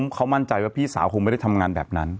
เขามั่นใจว่าพี่สาวคงไม่ได้ทำงานแบบนั้น